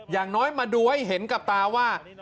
อย่างน้อยมาดูให้เห็นกับตาว่า